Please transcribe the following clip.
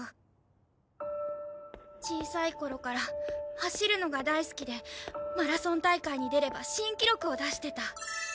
小さい頃から走るのが大好きでマラソン大会に出れば新記録を出してた。